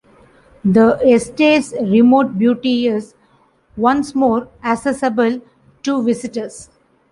The estate's remote beauty is once more accessible to visitors.